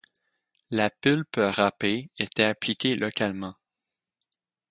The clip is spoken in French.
La pulpe râpée était appliquée localement.